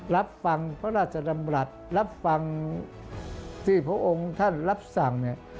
รับฟังพระราชดำรัฐรับฟังที่พระองค์ท่านรับสั่งเนี่ย